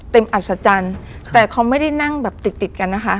อัศจรรย์แต่เขาไม่ได้นั่งแบบติดติดกันนะคะ